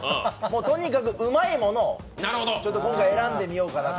とにかくうまいものを今回選んでみようかなと。